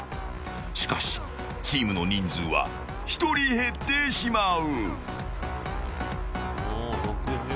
しかし、チームの人数は１人減ってしまう。